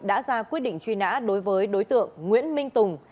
đã ra quyết định truy nã đối với đối tượng nguyễn minh tùng